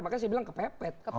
makanya saya bilang kepepet